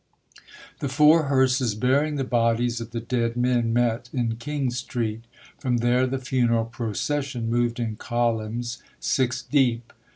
The four hearses bearing the bodies of the dead men met in King Street. From there the funeral procession moved in columns six deep.